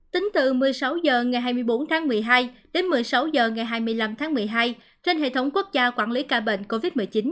tính từ một mươi sáu h ngày hai mươi bốn tháng một mươi hai đến một mươi sáu h ngày hai mươi năm tháng một mươi hai trên hệ thống quốc gia quản lý ca bệnh covid một mươi chín